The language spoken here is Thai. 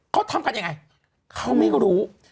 เขาทำกันยังไงเขาไม่รู้